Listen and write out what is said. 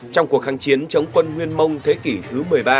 trong cuộc kháng chiến chống quân nguyên mông thế kỷ thứ một mươi ba